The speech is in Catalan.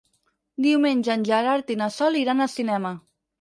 Diumenge en Gerard i na Sol iran al cinema.